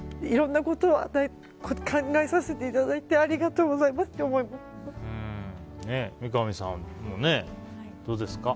いろんなことを考えさせていただいてありがとうございますって思います。